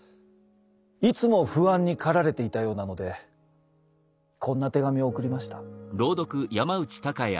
いつも不安に駆られていたようなのでこんな手紙を送りました。